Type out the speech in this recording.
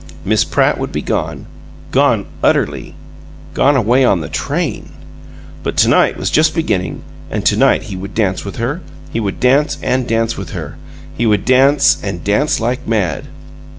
Miss Pratt would be gone gone utterly gone away on the TRAIN! But to night was just beginning, and to night he would dance with her; he would dance and dance with her he would dance and dance like mad!